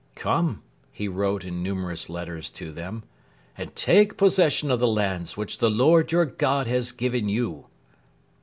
'Come,' he wrote in numerous letters to them, 'and take possession of the lands which the Lord your God has given you.'